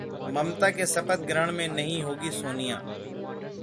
ममता के शपथ ग्रहण में नहीं होंगी सोनिया!